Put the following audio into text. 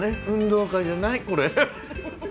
運動会じゃないこれ。